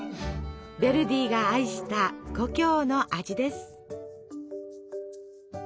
ヴェルディが愛した故郷の味です。